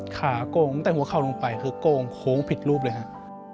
โกงตั้งแต่หัวเข่าลงไปคือโกงโค้งผิดรูปเลยครับ